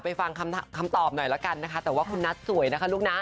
ฟังคำตอบหน่อยละกันนะคะแต่ว่าคุณนัทสวยนะคะลูกนะ